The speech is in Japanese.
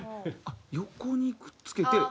横にくっつけて。